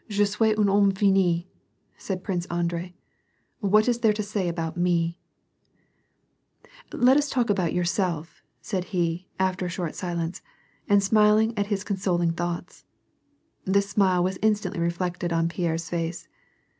"Je suis tin homrne fini,^^ said Prince Andrei. "What is there to say about me ! Let us talk about yourself," said he, after a short silence, and smiling at his consoling thoughts. This smile was instantly reflected on Pierre's face.